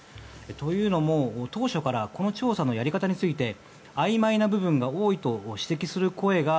というのも、当初からこの調査のやり方についてあいまいな部分が多いと指摘する声が